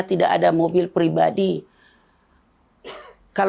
untuk menempuh ibadah